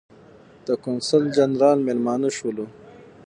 د قونسل جنرال مېلمانه شولو.